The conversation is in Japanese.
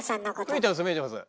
見えてます見えてます。